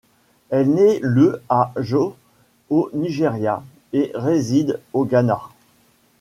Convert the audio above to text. Elle naît le à Jos au Nigeria et réside au Ghana.